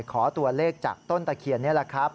ขอตัวเลขจากต้นตะเคียนนี่แหละครับ